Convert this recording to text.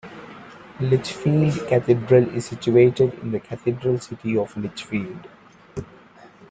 Lichfield Cathedral is situated in the cathedral city of Lichfield.